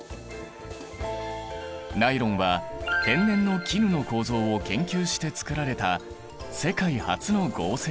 ナイロンは天然の絹の構造を研究してつくられた世界初の合成繊維。